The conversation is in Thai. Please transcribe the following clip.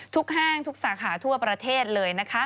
ห้างทุกสาขาทั่วประเทศเลยนะคะ